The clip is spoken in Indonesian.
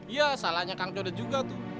iya salahnya kang jodoh juga tuh